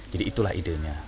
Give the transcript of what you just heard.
jadi itulah idenya